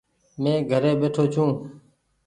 مين گهري ٻيٺو ڇو۔